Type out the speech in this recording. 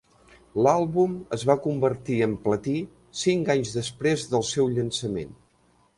L'àlbum es va convertir en platí cinc anys després del seu llançament.